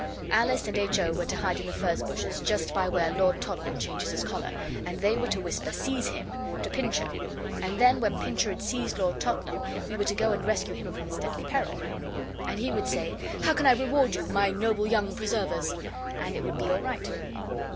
Alice and H. O. were to hide in the furze bushes just by where Lord Tottenham changes his collar, and they were to whisper, 'Seize him!' to Pincher; and then when Pincher had seized Lord Tottenham we were to go and rescue him from his deadly peril. And he would say, 'How can I reward you, my noble young preservers?' and it would be all right.